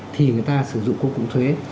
thì người ta sử dụng cung cụm thuê